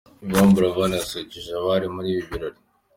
Yvan Buravan yasusurukije abari muri ibi birori.